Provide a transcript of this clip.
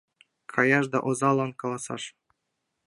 Каяш да озалан каласаш.